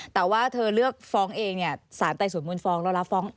แต่ว่าเธอเลือกฟ้องเองเนี่ยสารไต่สวนมูลฟ้องแล้วรับฟ้อง